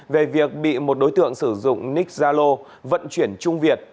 về việc bị một đối tượng sử dụng nick zalo vận chuyển trung việt